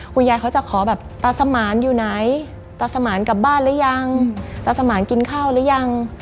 คุณยายเขาจะขอแบบตาสมานอยู่ไหนตาสมานกลับบ้านหรือยังตาสมานกินข้าวหรือยัง